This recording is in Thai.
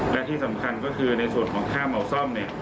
และที่สำคัญก็คือในส่วนของค่าเหมาซ่อมเนี่ย